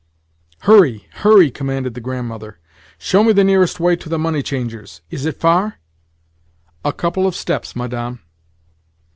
"Hurry, hurry!" commanded the Grandmother. "Show me the nearest way to the money changer's. Is it far?" "A couple of steps, Madame."